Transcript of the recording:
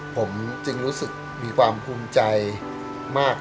ผมจึงรู้สึกมีความภูมิใจมาก